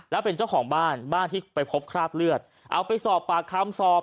แล้วเป็นเจ้าของบ้านบ้านที่ไปพบคราบเลือดเอาไปสอบปากคำสอบ